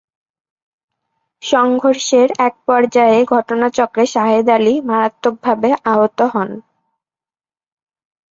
সংঘর্ষের এক পর্যায়ে ঘটনাচক্রে শাহেদ আলী মারাত্মকভাবে আহত হন।